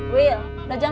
wil sudah jam tujuh